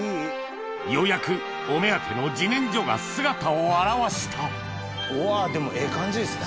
ようやくお目当ての自然薯が姿を現したうわでもええ感じですね。